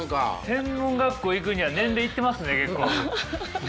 専門学校行くには年齢いってますね結構ね。